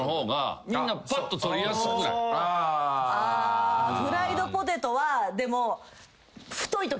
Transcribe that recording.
あフライドポテトはでも。